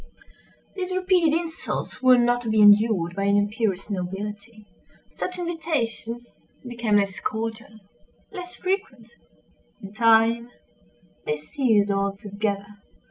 These repeated insults were not to be endured by an imperious nobility. Such invitations became less cordial—less frequent—in time they ceased altogether.